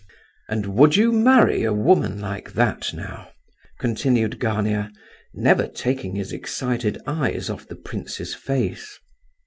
"And would you marry a woman like that, now?" continued Gania, never taking his excited eyes off the prince's face.